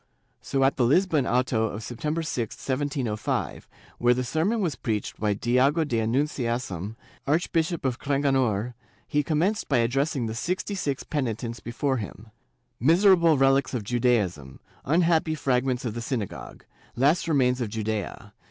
So at the Lisbon auto of September 6, 1705, where the sermon was preached by Diogo da Annunciasam, Archbishop of Cranganor, he commenced by addressing the sixty six penitents before him —'' Miserable relics of Judaism ! Unhappy fragments of the synagogue! Last remains of Judea!